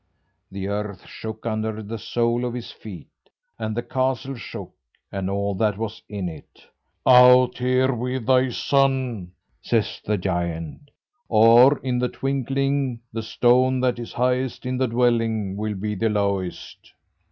The earth shook under the sole of his feet, and the castle shook and all that was in it. "OUT HERE WITH THY SON," says the giant, "or in a twinkling the stone that is highest in the dwelling will be the lowest."